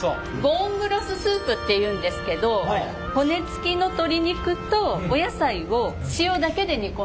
ボーンブロススープっていうんですけど骨付きの鶏肉とお野菜を塩だけで煮込んだんですね。